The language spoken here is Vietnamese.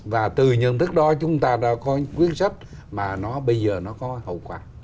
và từ nhận thức đó chúng ta đã có những quyết sách mà nó bây giờ nó có hậu quả